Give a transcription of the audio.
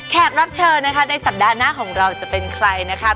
รับเชิญนะคะในสัปดาห์หน้าของเราจะเป็นใครนะคะ